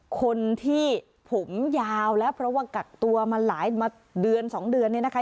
คนที่ผมยาวแล้วเพราะว่ากักตัวมาหลายมาเดือน๒เดือนเนี่ยนะคะ